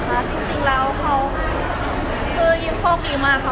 ต่างตัวเหรอคะจริงแล้วเขาคือยิ่มโชคดีมากค่ะ